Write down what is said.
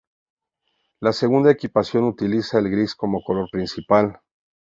La segunda equipación utiliza el gris como color principal.